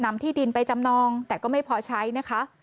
ที่ดินไปจำนองแต่ก็ไม่พอใช้นะคะ